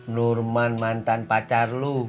nurman mantan pacar lo